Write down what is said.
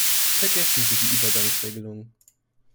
Vergessen Sie die Übergangsregelungen.